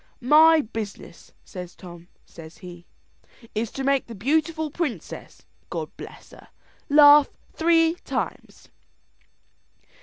"My business," says Tom, says he, "is to make the beautiful princess, God bless her, laugh three times."